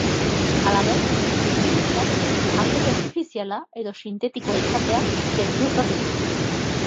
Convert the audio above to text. Halaber, birusak jatorri artifiziala edo sintetikoa izatea gezurtatu du.